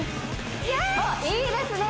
おっいいですね